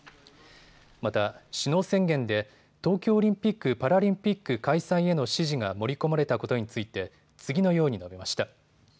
また首脳宣言で東京オリンピック・パラリンピック開催への支持が盛り込まれたことについて次のように述べました。